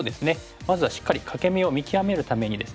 まずはしっかり欠け眼を見極めるためにですね